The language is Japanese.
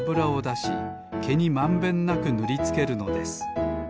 しけにまんべんなくぬりつけるのです。